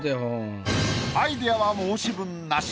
アイディアは申し分無し。